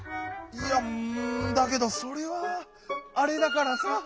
いやだけどそれは「あれ」だからさ！